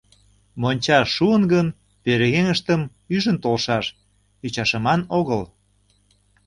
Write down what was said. Монча шуын гын, пӧръеҥыштым ӱжын толшаш, ӱчашыман огыл.